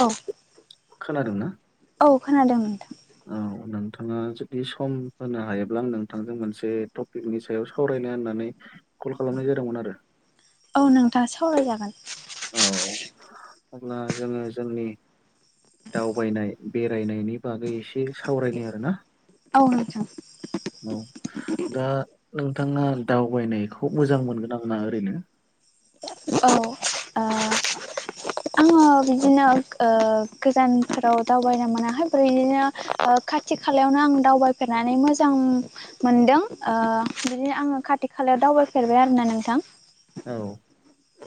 औ खोनादोंना? अ खोनादों नोंथां। औ नोंथाङा जुदि सम होनो हायोब्ला आं नोंथांजों मोनसे टपिकनि सायाव सावरायनो होननानै कल खालामनाय जादोंमोन आरो। औ नोंथा सावरायजागोन। औ अब्ला जोङो जोंनि दावबायनाय बेरायनायनि बागै एसे सावरायनो आरोना। औ नोंथां औ दा ओ थाङा दावबायनायखौ मोजां मोनगोन ना मोना ओरैनो? औ ओ [inaudible] आङो बिदिनो ओ गोजानफोराव दावबायनो मोनाहाय ओमफ्राय इदिनो ओ खाथि खालायावनो आं दावबायफेरनानै मोजां मोनदों ओ बिदिनो आङो खाथि खाला याव दावबायफेरबाय आरोना नोंथां? औ।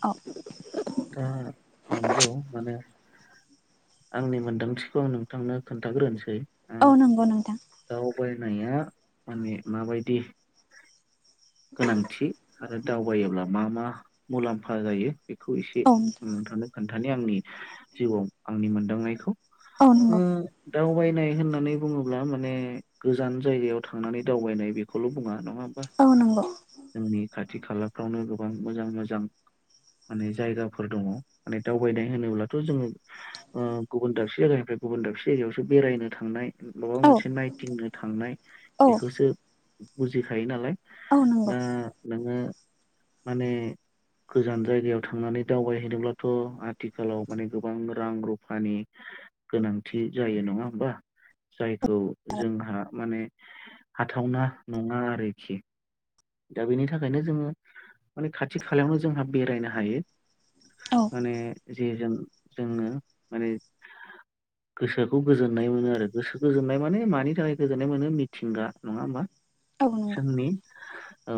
अ। दा नंगौ माने आंनि मोनदांथिखौ आं नोंथांनो खोन्थाग्रोनसै। औ नोंगौ नोंथां। नाया माने माबायदि गोनांथि आरो दावबायोब्ला मा मा मुलाम्फा जायो बेखौ एसे औ आं नोंथांनो खोन्थानो आंनि जिउआव आंनि मोनदांनायखौ। औ ओ नंगौ दावबायनाय होननानै बुङोब्ला मा ने गोजान जायगायाव थांनानै दावबायनाय बेखौल' बुङा नङा होमबा? औ नोंगौ। गावनि खाथि खालाफ्रावनो गोबां मोजां मोजां माने जायगाफोर दङ माने दावबायनाय होनोब्लाथ' जोङो ओ गुबुन दाबसे जायगानिफ्राय गुबुन दाबसे जायगायावसो बेरायनो थांनाय माबा औ मोनसे नायथिंनो थांनाय औ बेखौसो बुजिखायो नालाय। औ नंगौ दा नोङो माने गोजान जायगायाव थांनानै दावबायहैनोब्लाथ' आथिखालाव माने गोबां रां रुफानि गोनांथि जायो नङा होमबा जायखौ जोंहा माने हाथावना नङा आरोखि। दा बेनि थाखायनो जोङो माने खाथि खालायावनो जोंहा बेरायनो हायो। औ माने जे जों जोंनो माने गोसोखौ गोजोननाय मोनो आरो गोसो गोजोननाय माने मानि थाखाय गोजोननाय मोनो मिथिंगा नङा होमबा? औ नंगौ जोंनि औ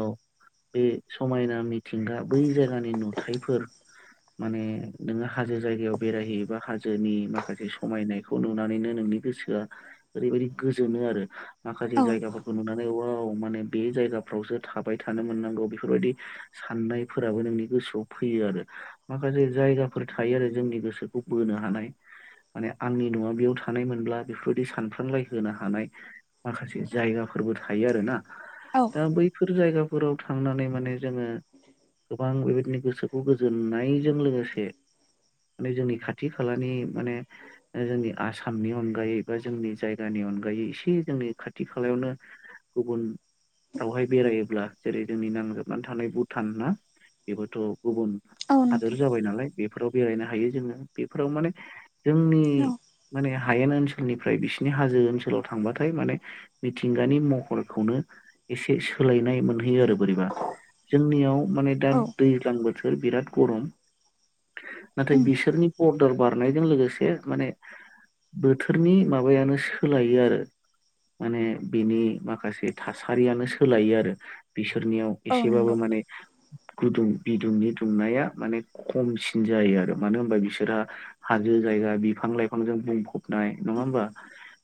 बे समायना मिथिंगा बै जायगानि नुथायफोर माने नोङो हाजो जायगायाव बेरायहैयोबा हाजोनि माखासे समायनायखौ नुनानैनो नों नि गोसोआ ओरैबायदि गोजोनो आरो माखासे औ जायगाफोरखौ नुनानै वाउ माने बे जायगाफ्रावसो थाबाय थानो मोनांगौ बेफोरबायदि साननायफोराबो नोंनि गोसोआव फैयो आरो माखासे जा जायगाफोर थायो आरो जोंनि गोसोखौ बोनो हानाय। माने आंनि न'आ बेयाव थानायमोनब्ला बेफोरबायदि सानफ्रांलाय होनो हानाय माखासे जायगा फोरबो थायो आरोना औ दा बैफोर जायगाफोराव थांनानै माने जोङो गोबां बेबायदिनो गोसोखौ गोजोननायजों लोगोसे माने जोंनि खाथि खालानि माने ओ जोंनि आसामनि अनगायै बा जोंनि जायगानि अनगायै एसे जोंनि खाथि खालायावनो गुबुन फ्रावहाय बेरायोब्ला जेरै जोंनि नांजाबनानै थानाय भुटान ना बेबोथ' गुबुन औ हादोर नोंथां जाबाय नालाय बेफोराव बेरायनो हायो जोङो बेफोराव माने जोंनि औ माने हायेन ओनसोलनिफ्राय बिसिनि हाजो ओनसोलाव थांबाथाय माने मिथिंगानि महरखौनो एसे सोलायनाय मोनहैयो आरो बोरैबा जोंनियाव माने दा औ दैज्लां बोथोर बिराद गरम। नाथाय उम बिसोरनि बर्दार बारनायजों लोगोसे माने बोथोरनि माबायानो सोलायो आरो। माने बिनि माखासे थासारियानो सो सोलायो आरो बिसोरनियाव औ एसेबाबो नंगौ माने गुदुं बिदुंनि दुंनाया माने खमसिन जायो आरो मानो होनबा बिसोरहा हाजो जायगा बिफां-लाइफांजों बुंफबनाय नङा होमबा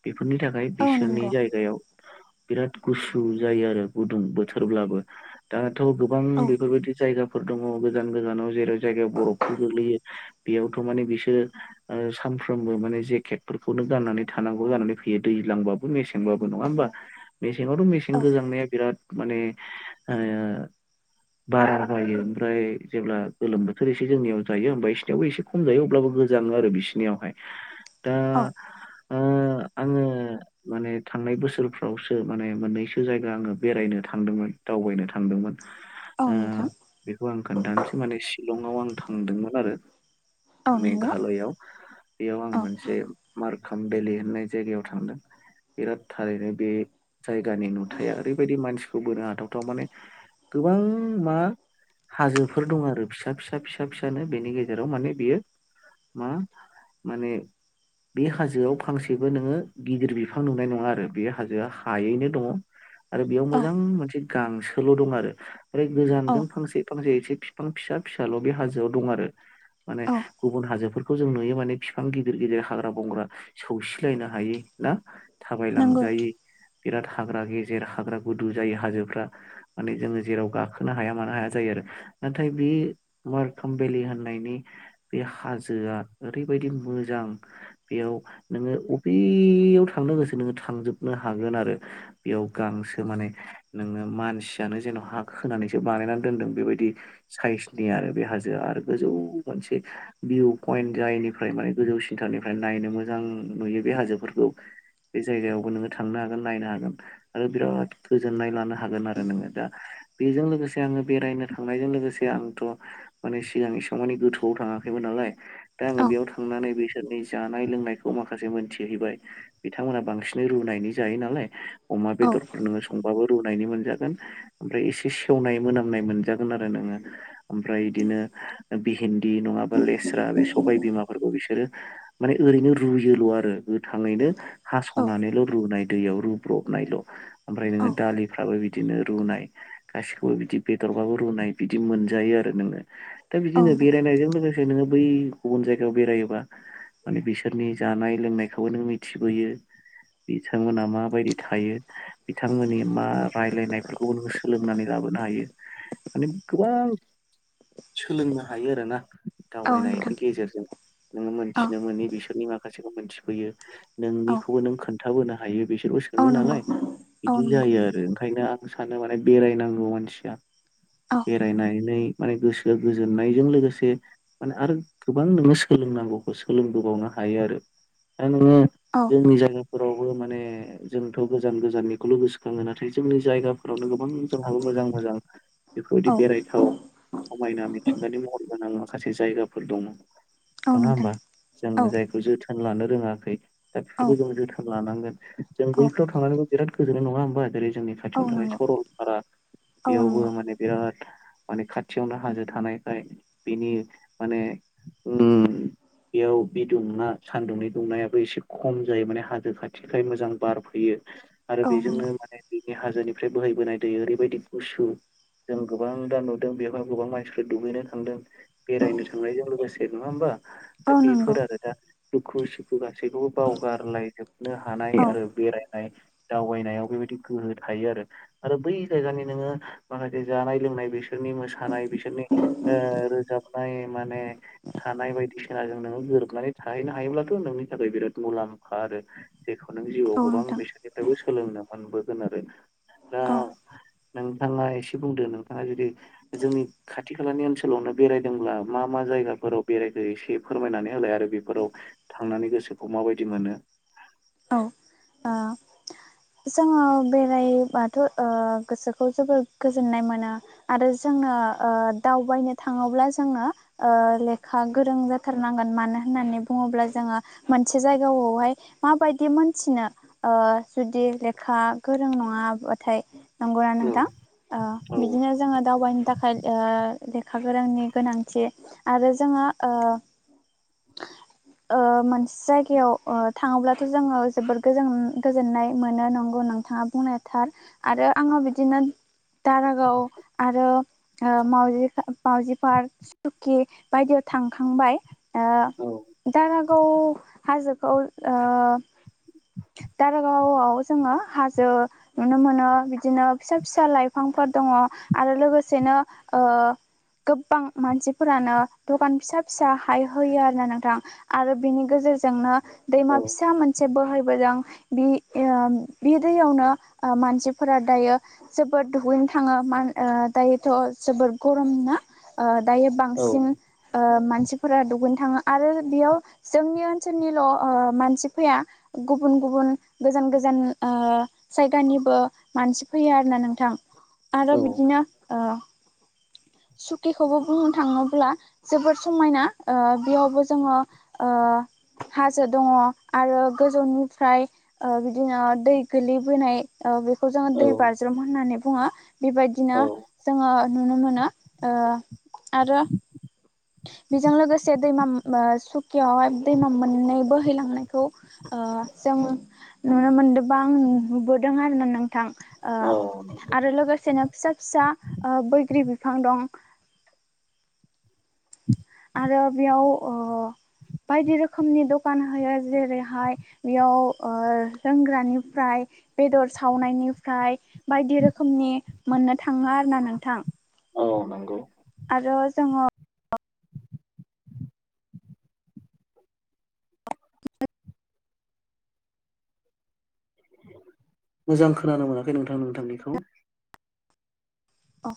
बेफोरनि थाखाय औ बिसोरनि नंगौ जायगायाव बिराद गुसु जायो आरो। गुदुं बोथोरब्लाबो दाथ' गोबां औ बेफोरबायदि जायगा फोर दङ गोजान गोजानाव जेरै जायगायाव बरफफोर गोग्लैयो बेयावथ' माने बिसोर ओ सान फ्रोमबो माने जेकेटफोरखौनो गाननानै थानांगौ जानानै फैयो दैजांबाबो मेसेंबाबो नङा होनबा मे सेङावथ' मेसें औ गोजांनाया बिराद माने ओ बारा जायो ओमफ्राय जेब्ला गोलोम बोथोर एसे जोंनियाव जायो ओमबाय बिसनियावबो एसे खम जायो अब्लाबो गोजाङो आरो बिसिनियावहाय दा औ आङो-आङो माने थांनाय बोसोरफ्रावसो माने मोननैसो जायगा आङो बेरायनो थांदोंमोन दावबायनो थांदोंमोन। ओ औ नोंथां बेखौ आं खोन्थानोसै माने शिलंआव आं थांदोंमोन आरो औ नंगौ मेघालयआव बेयाव आं औ मोनसे मार्क खामभेलि होननाय जायगायाव थांदों बिराद थारैनो बे जायगानि नुथाया ओरै बायदि मानसिखौ बोनो हाथावथाव माने गोबां मा हाजोफोर दं आरो फिसा-फिसा-फिसा फिसानो बेनि गेजेराव माने बियो मा-माने बे हाजोआव फांसेबो नोङो गिदिर बिफां नुनाय नङा आरो बे हाजोआ हायैनो दङ। आरो बेयाव औ मोजां मोनसे गांसोल' दं आरो आरो औ गोजानजों फांसे- फांसे एसे बिफां फिसा-फिसाल' बे हाजोआव दं आरो माने औ गुबुन हाजो खौ जों नुयो माने बिफां गिदिर-गिदिर हाग्रा-बंग्रा सौसिलायनो हायि ना? थाबाय नंगौ लांजायि बिराद हाग्रा गे जेर हाग्रा गुदु जायो हाजोफ्रा माने जोङो जेराव गाखोनो हाया मानो हाया जायो आरो नाथाय बे बे मारखोम बेलि होननायनि बे हाजोआ ओरैबायदि मोजां बेयाव नोङो अफेयाव थांनो गोसो नोङो थांजोबनो हागोन आरो। बेयाव गांसो माने नोङो मानसियानो जेन' हा खोनानैसो बानायनानै दोनदों बेबायदि साइसनि आरो बे हाजोआ आरो गोजौ मोनसे भिउ पइन्ट जायनिफ्राय माने गोजौ सिन्था ओनिफ्राय नायनो मोजां नुयो बे हाजोफोरखौ बे जायगायावबो नोङो थांनो हागोन नायनो हागोन। आरो बिराद गोजोननाय लानो हागोन आरो नोङो दा बेजों लोगोसे आङो बेरायनो थांनायजों लोगोसे आंथ' माने सिगां एसेबां माने गोथौआव थाङाखैमोन आर लाय दा आङो औ बेयाव थांनानै बेस सोरनिा जानाय लोंनायखौ माखासे मोनथिहैबाय। बिथांमोना बांसिन रुनायनि जायो नालाय। अमा औ बेदरफोर नोङो संबाबो रुनायनि मोनजागोन ओमफ्राय एसे सेवनाय मोनामनाय मोनजागोन आरो नोङो। ओमफ्राय इदिनो भिहिन्दी नङाबा लेस रा बे सबाय बिमाफोरखौ बिसोरो माने ओरैनो रुयोल' आरो गोथाङैनो औ हास'नानैल' रुनाय दैयाव रुब्र' नायल' ओमफ्राय औ नोङो दालिफ्राबो बिदिनो रुनाय गासिखौबो बिदि बेदरबाबो रुनाय बि दि मोनजायो आरो नोङो दा औ बिदिनो बेरायनायजों लोगो से नोङो बै गुबुन जायगायाव बेरायोबा माने बिसोरनि जानाय लोंनायखौबो नों मिथिबोयो बिथांमोना माबायदि थायो बिथांमोननि मा रायलायनायफोरखौबो नों सोलोंनानै लाबोनो हायो। माने गोबां सोलोंनो हायो आरोना। औ दावबायनायनि नोंथां गेजेरजों नोङो औ मोनथिनो मोनि बिसोरनि मा खासेखौ मोनथिफैयो औ नोंनिखौबो नों खोन्थाबोनो हायो बिसोरबो सोङो औ नंगौ नालाय। औ बिदि नंगौ जायो आरो ओंखायनो आं सानो माने बेरायनांगौ मानसिया। औ बेरायनानै माने गोसोआ गोजोननायजों लोगोसे माने आरो गोबां नोङो सोलों नांगौखौ सोलोंबोबावनो हायो आरो। दा नोङो औ जोंनि जायगाफोरावबो माने जोंथ' गोजा-गोजाननिखौल' गोसोखाङो नाथाय जोंनि जायगाफोरावनो गोबां जोंहाबो मोजां-मोजां बेफोरबायदि औ बेरायथाव समायना मिथिंगानि महर गोनां माखासे जायगाफोर दङ। औ नङा नोंथां होमबा जों औ जायखौ जोथोन लानो रोङाखै दा औ बेफोरखौबो जों जोथो लानांगोन जों औ बैफोराव थांनानैबो बिराद गोजोननो नङा होमबा जेरै जोंनि औ खाथियावनो थानाय नंगौ सरलपारा औ बेयावबो नंगौ माने बिराद माने खाथियावनो हाजो थानायखाय बिनि माने उम बेयाव बि दुंना सान्दुंनि दुंनायाबो एसे खम जायो माने हाजो खाथिखाय मोजां। बारफैयो आरो औ बेजोंनो नंगौ माने दैनि हाजोनिफ्राय बोहैबोनाय दै ओरैबायदि गुसु। जों गोबां दा नुदों बेवहाय गोबां मानसिफ्रा दुगैनो थांदों बेरायनो थांनायजों लोगोसे नङा होमबा। औ दा नंगौ बेफोर आरो दा दुखु सुखु गासैखौबो बावगारलायजोबनो हानाय औ आरो। नाय दावबायनायाव बेबायदि गोहो थायो आरो आरो बै जायगानि नोङो माखासे जा नाय लोंनाय बिसोरनि मोसानाय बिसोरनि ओ रोजाबनाय माने थानाय बायदिसि ना जोंनोबो गोरोबनानै थाहैनो हायोब्लाथ' नोंनि थाखाय बिराद मुलाम्फा आरो जायखौ नों जिउ औ गोबां नोंथां बेसोरनिफ्रायबो सोलोंनो मोनबोगोन आरो दा औ नोंथाङा एसे बुंदो नोंथाङा जुदि जोंनि खाथि खालानि ओनसोलावनो बेरायदोंब्ला मा मा जा जायगाफोराव बेरायख एसे फोरमायनानै होलाय आरो बेफोराव थांनानै गोसोखौ माबायदि मोनो। [inaudible] औ [unintelligible] जोङो बेरायबाथ' ओ गोसोखौ जोबोर गोजोननाय मोनो आरो जों ङो ओ दावबायनो थाङोब्ला जोंनो ओ लेखा गोरों जाथारनांगोन मानो होन होननानै बुङोब्ला जोङो मोनसे जायगाआवहाय माबायदि मोनथिनो ओ जुदि लेखा गोरों नङाबाथाय। नंगौना नोंथां ओ औ बिदिनो जोङो दावबायनो थाखाय ओ लेखा गोरोंनि गोनांथि आरो जोङो ओ ओ मोनसे ओ जायगायाव थाङोब्ला जोङो जोबोर गोजोननाय मोनो नंगौ नोंथाङा बुंनायथार आरो आङो बिदिनो दारागाव आरो माउजि -माउजि पार्क स्कुटि बायदि थांखांबाय ओ औ दारागाव हाजोखौ [inaudible] [inaudible] दारगावआव जोङो हाजो नुनो मोनो। बिदिनो फिसा- फिसा लाइफांफोर दङ। आरो लोगोसेनो गोबां मानसिफोरानो दखान फिसा- फिसा हाय होयो आरोना नोंथां आरो बेनि गेजेराव [unintelligible] दैमा औ -फिसा मोनसे बोहै बोदों। बि ओ बे दैयावनो मानसिफोरा दायो जोबोद दुगै थाङो मा- दायोथ' जोबोर गरम ना? दायो औ बांसिन मानसिफोरा दुगै थाङो आरो बेयाव जोंनि ओनसोलनिल' मानसि ओ फैया। गुबुन -गुबुन गोजान- गोजान जायगानिबो मानसि फैयो आरोना नोंथां। आरो औ बिदिनो ओ सुकिखौबो बुंनो थाङोब्ला जोबोर समायना। ओ बेयावबो जोङो ओ हाजो दङ आरो गोजौनिफ्राय ओ बिदिनो दै गोलैबोनाय ओ बे [unintelligible] जोङो औ दै बाज्रुम होननानै बुङो बेबायदिनो औ जोङो नुनो मोनो। ओ आरो [inaudible] बेजों लोगोसे दैमा [unintelligible] सुकियावहाय दैमा मोननै बोहैलांनायखौ ओ जों नुनो मोनदोंबा आं नुबोदों आरोना नोंथां। ओ औ नंगौ आरो लोगोसेनो फिसा -फिसा ओ बैग्रि बिफां दं। आरो बेयाव बायदि रोखोमनि दखान होयो। जेरैहाय बेयाव ओ लोंग्रानिफ्राय बेदर सावनायनिफ्राय बायदि रोखोमनि मोननो थाङो आरो ना नोंथां। औ नोंगौ। आरो जोङो [unintelligible] मोजां खोनानो मोनाखै नोंथां नोंथांनिखौ। औ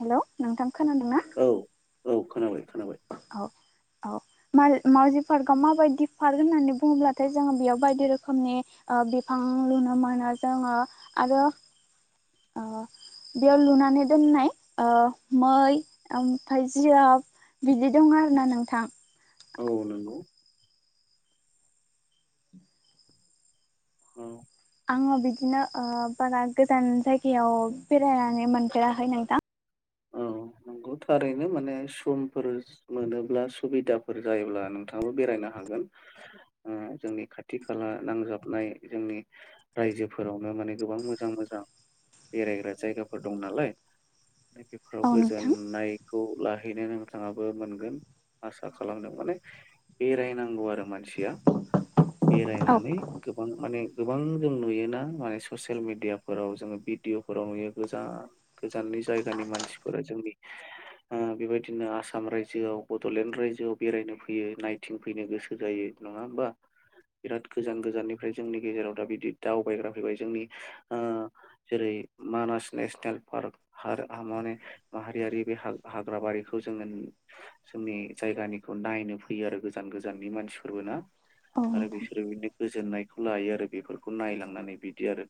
हेल' नोंथां खोनादोंना? औ औ खोनाबाय -खोनाबाय। औ -औ। [unintelligible] पार्कआव माबायदि पार्क होननानै बुङोब्लाथाय जोङो बेयाव बायदि रोखोमनि ओ बिफां लुनो मोनो जोङो आरो ओ बेयाव लुनानै दोननाय, ओ मै ओमफफ्राय जिराब बिदि दं आरोना नोंथां। औ नंगौ औ आङो बिदिनो ओ बारा गोजान जायगायाव बेरायनानै मोनफेराखै नोंथां। औ। नंगौ थारैनो माने समफोर मोनोब्ला सुबिदाफोर जायोब्ला नोंथाङाबो बेरायनो हागोन ओ जोंनि खाथि- खाला नांजाबनाय जोंनि राइजोफोरावनो माने गोबां मोजां- मोजां बेरायग्रा जायगाफोर दं नालाय। बेफोराव औ नोंथां गोजोननायखौ लाहैनो नोंथाङाबो मोनगोन। आसा खालामदों माने बेरायनांगौ आरो मानसिया। औ बेरायनानै गोबां माने गोबां जों नुयोना माने ससियेल मेडियाफोराव जोङो भिडिअफोराव नुयो गोजान- गोजाननि जायगानि मानसिफोरा जोंनि ओ बेबायदिनो आसाम रायजोआव बड'लेण्ड रायजोआव बेरायनो फैयो नायथिं फैनो गोसो जायो नङा होमबा? बिराद गोजान गोजाननिफ्राय जोंनि गेजेराव दा बिदि दावबायग्रा फैबाय जोंनि ओ जेरै मानास नेसनेल पार्क माने माहारियारि बे हा हाग्राबारिखौ जोङो जोंनि जायगानिखौ नायनो फैयो आरो गोजान गोजाननि मानसिफोरबो ना। औ आरो नोंथां बिसोरो बिदिनो गोजोननायखौ लायो आरो बेफोरखौ नायलांनानै बिदि आरो।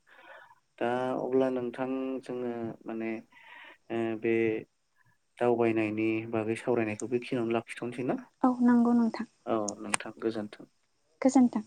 दा अब्ला नोंथां जोङो माने ओ बे दावबायनायनि बागै सावरायनायखौ बेखिनियावनो लाखि थनोसैना औ नंगौ औ नोंथां गोजोन्थों। गोजोनथों।